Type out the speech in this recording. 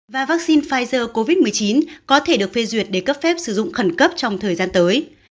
và vaccine pfizer covid một mươi chín có thể được phê duyệt để cấp phép sử dụng khẩn cấp trong thời gian tới